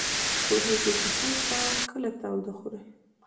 پوهېږي چې کله کله تاوده خوري.